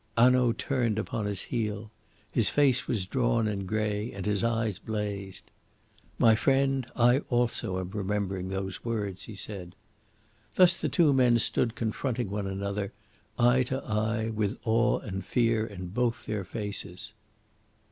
Hanaud turned upon his heel. His face was drawn and grey and his eyes blazed. "My friend, I also am remembering those words," he said. Thus the two men stood confronting one another, eye to eye, with awe and fear in both their faces.